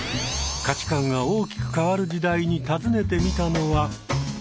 価値観が大きく変わる時代に訪ねてみたのは。